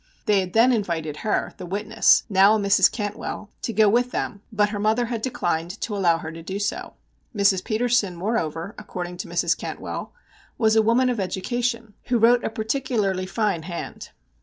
They had then invited her, the witness now a Mrs. Cantwell to go with them, but her mother had declined to allow her to do so. Mrs. Petersen, moreover, according to Mrs. Cantwell, was a woman of education, who wrote a particularly fine hand.